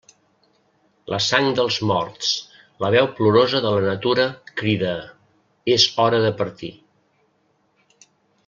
La sang dels morts, la veu plorosa de la natura crida: és hora de partir.